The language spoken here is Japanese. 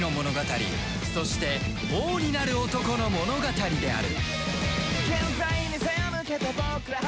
そして王になる男の物語である